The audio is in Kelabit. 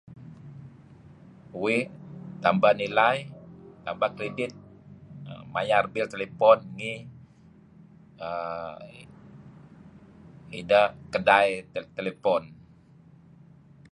Uih tambah nilai tambah rigit mayar bil telepon ngi err idah kedai telepon